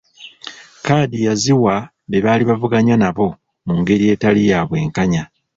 Kkaadi yaziwa be baali bavuganya nabo mu ngeri etali ya bwenkanya.